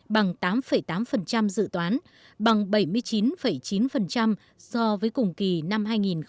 bằng tám tám dự toán bằng bảy mươi chín chín so với cùng kỳ năm hai nghìn một mươi tám